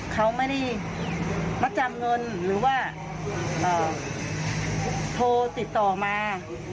เขาไม่ได้มัดจำเงินหรือว่าโทรติดต่อมา